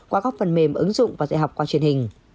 qua các phần mềm ứng dụng và dạy học qua truyền hình